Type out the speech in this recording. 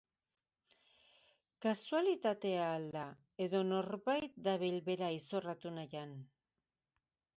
Kasualitatea al da edo norbait dabil bera izorratu nahian?